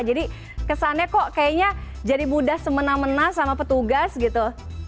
jadi kesannya kok kayaknya jadi mudah semena mena sama petugas gitu